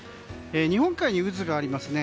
日本海に渦がありますね。